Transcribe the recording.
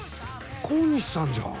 小西さんじゃん。